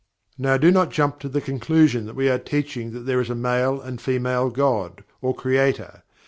Now do not jump to the conclusion that we are teaching that there is a male and female God, or Creator.